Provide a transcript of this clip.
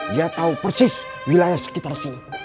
dia tahu persis wilayah sekitar sini